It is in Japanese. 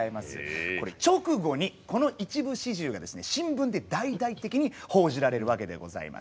直後にこの一部始終が新聞で大々的に報じられるわけでございます。